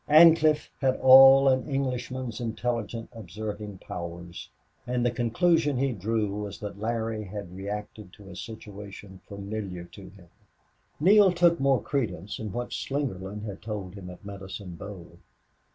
Ancliffe had all an Englishman's intelligent observing powers, and the conclusion he drew was that Larry had reacted to a situation familiar to him. Neale took more credence in what Slingerland had told him at Medicine Bow.